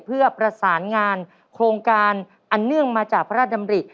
เพื่อประสานงานโครงการอันเนื่องมาจากพระราชดำริ